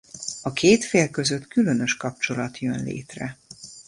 A két fél között különös kapcsolat jön létre.